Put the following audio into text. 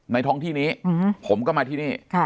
ท้องที่นี้ผมก็มาที่นี่